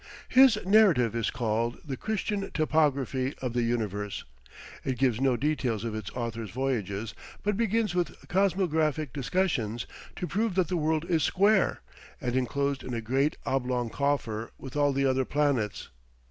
His narrative is called the "Christian Topography of the Universe." It gives no details of its author's voyages, but begins with cosmographic discussions, to prove that the world is square, and enclosed in a great oblong coffer with all the other planets.